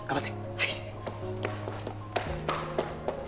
はい。